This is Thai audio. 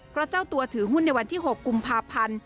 เพราะเจ้าตัวถือหุ้นในวันที่๖กุมภาพันธ์